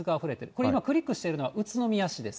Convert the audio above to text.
これクリックしているのは宇都宮市です。